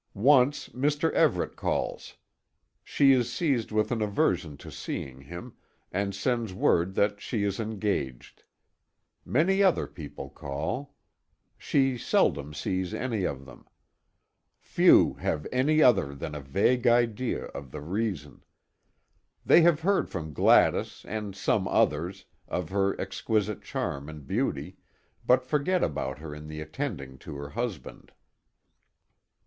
Once, Mr. Everet calls. She is seized with an aversion to seeing him, and sends word that she is engaged. Many other people call. She seldom sees any of them. Few have other than a vague idea of the reason. They have heard from Gladys and some others, of her exquisite charm and beauty, but forget about her in the attending to her husband.